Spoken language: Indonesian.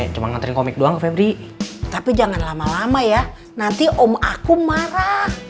cuma ngantri komik doang tapi jangan lama lama ya nanti om aku marah